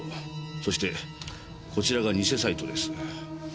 そしてこちらが偽サイトです。